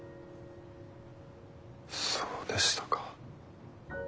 そうでしたか。